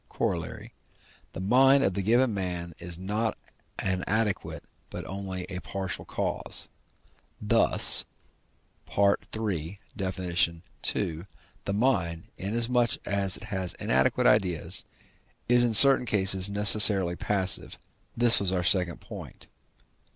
Coroll.) the mind of the given man is not an adequate, but only a partial cause; thus (III. Def. ii.) the mind, inasmuch as it has inadequate ideas, is in certain cases necessarily passive; this was our second point.